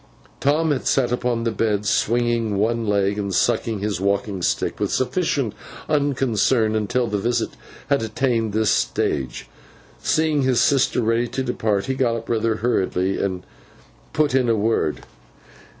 Tom had sat upon the bed, swinging one leg and sucking his walking stick with sufficient unconcern, until the visit had attained this stage. Seeing his sister ready to depart, he got up, rather hurriedly, and put in a word.